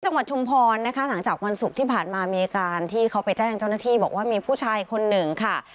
ชุมพรนะคะหลังจากวันศุกร์ที่ผ่านมามีอาการที่เขาไปแจ้งเจ้าหน้าที่บอกว่ามีผู้ชายคนหนึ่งค่ะ